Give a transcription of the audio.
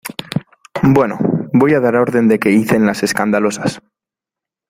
bueno, voy a dar orden de que icen las escandalosas.